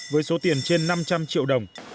với số tiền trên năm trăm linh triệu đồng